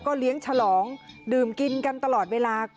เลี้ยงฉลองดื่มกินกันตลอดเวลา